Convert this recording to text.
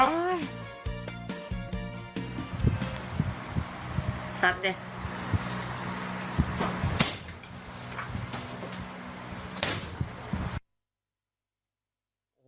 ครับเนี้ย